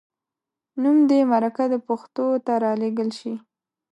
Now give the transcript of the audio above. نوم دې مرکه د پښتو ته راولیږل شي.